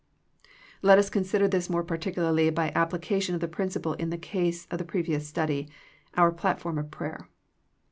Let us consider this more particularly by ap plication of the principle in the case of the pre vious study, our platform of prayer.